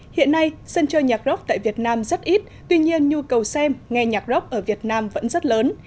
hiện nay sân chơi nhạc rock tại việt nam rất ít tuy nhiên nhu cầu xem nghe nhạc rock ở việt nam vẫn rất lớn